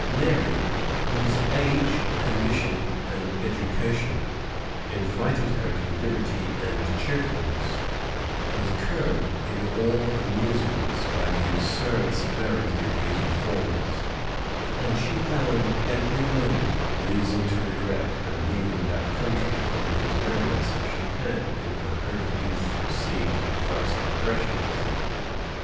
[] Mary, whose age, condition, and education, invited her to liberty and cheerfulness, was curbed in all amusements by the absurd severity of these reformers; and she found every moment reason to regret her leaving that country, from whose manners she had in her early youth received the first impressions.